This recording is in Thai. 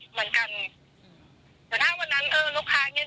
เหมือนกันแต่ถ้าวันนั้นเออลูกค้าเนี้ย